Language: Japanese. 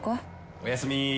おやすみ。